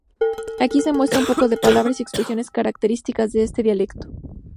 Aquí se muestra un poco de palabras y expresiones características de este dialecto.